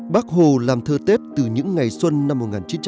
bác hồ làm thơ tết từ những ngày xuân năm một nghìn chín trăm bốn mươi một